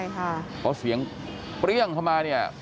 เพราะเสียงเปรี้ยงเข้ามาเนี่ย